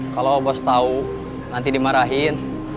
kalau bos tahu nanti dimarahin